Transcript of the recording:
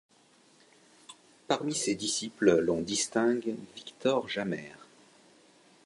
Parmi ses disciples l'on distingue Victor Jamaer.